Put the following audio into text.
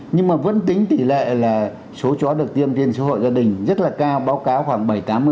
nhưng mà vẫn tính tỷ lệ là số chó được tiêm trên số hộ gia đình rất là cao báo cáo khoảng bảy mươi tám